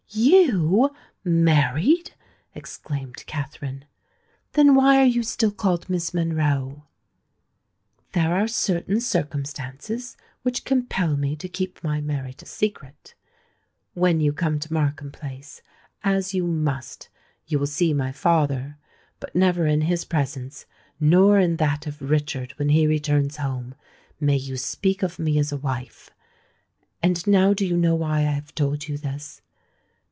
"You!—married!" exclaimed Katherine. "Then why are you still called Miss Monroe?" "There are certain circumstances which compel me to keep my marriage a secret. When you come to Markham Place—as you must—you will see my father; but never in his presence, nor in that of Richard when he returns home, may you speak of me as a wife. And now do you know why I have told you this?